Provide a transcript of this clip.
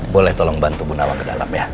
boleh tolong bantu bu nawa ke dalam ya